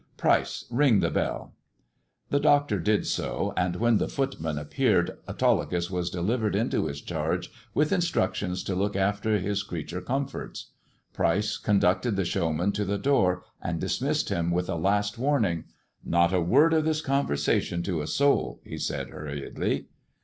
Pryce, ring the bell !" The doctor did so, and when the footman appeared Autolycus was delivered into his charge with instructions to look after his creature comforts. Pryce conducted the showman to the door and dismissed him with a last warning. "Not a word of this conversation to a soul," he said hurriedly.